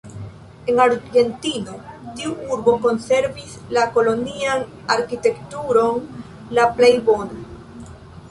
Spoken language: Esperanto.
En Argentino tiu urbo konservis la kolonian arkitekturon la plej bona.